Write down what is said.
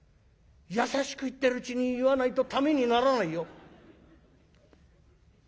優しく言ってるうちに言わないとためにならないよ」。